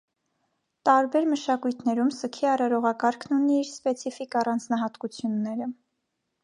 Տարբեր մշակույթներում սգի արարողակարգն ունի իր սպեցիֆիկ առանձնահատկությունները։